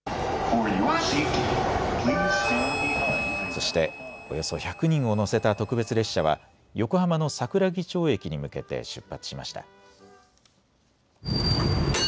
そしておよそ１００人を乗せた特別列車は横浜の桜木町駅に向けて出発しました。